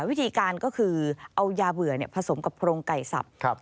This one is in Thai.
วิธีการก็คือเอายาเบื่อผสมกับโครงไก่สับ